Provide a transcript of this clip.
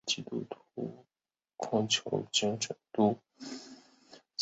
此数值关系到投手的控球精准度。